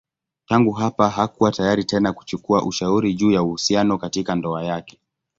Tangu hapa hakuwa tayari tena kuchukua ushauri juu ya uhusiano katika ndoa yake.